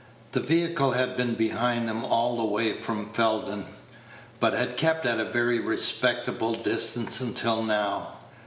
The vehicle had been behind them all the way from Felden, but had kept at a very respectful distance until now.